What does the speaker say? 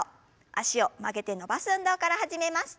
脚を曲げて伸ばす運動から始めます。